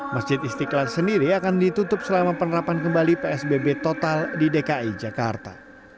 masjid istiqlal sendiri akan ditutup selama penerapan kembali psbb total di dki jakarta